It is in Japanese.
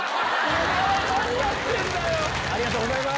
お前何やってんだよ！